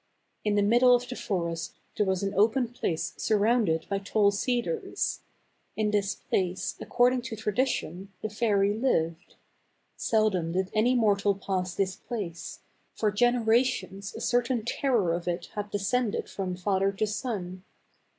In the middle of the forest there was an open place surrounded by tall cedars. In this place, according to tradition, the fairy lived. Seldom did any mortal pass this place ; for generations a certain terror of it had descended from father to son.